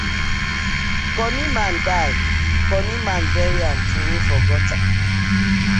Cunny man die, cunny man bury am troway for gutter.